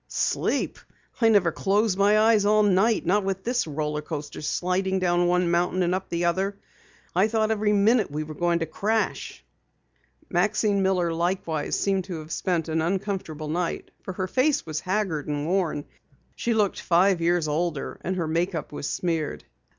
"Sleep? I never closed my eyes all night, not with this roller coaster sliding down one mountain and up another. I thought every minute we were going to crash." Maxine Miller likewise seemed to have spent an uncomfortable night, for her face was haggard and worn. She looked five years older and her make up was smeared.